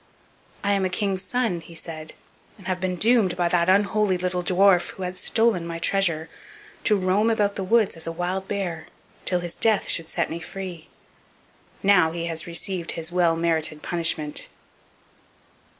"I am a king's son," he said, "and have been doomed by that unholy little dwarf, who had stolen my treasure, to roam about the woods as a wild bear till his death should set me free. Now he has got his well merited punishment."